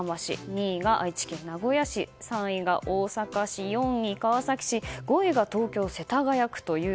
２位が愛知県名古屋市３位が大阪市、４位が川崎市５位が東京・世田谷区。